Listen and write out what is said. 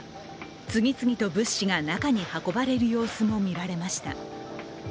次々と物資が中に運ばれる様子も見られました。